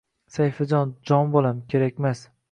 “Sayfijon, jon bolam, kerakmas